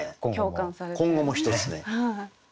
今後も一つねぜひ。